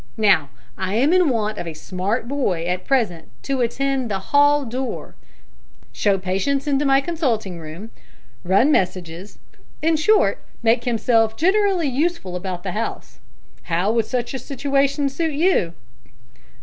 Now, I am in want of a smart boy at present, to attend to the hall door, show patients into my consulting room, run messages in short, make himself generally useful about the house. How would such a situation suit you?"